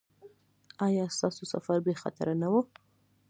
ایا ستاسو سفر بې خطره نه و؟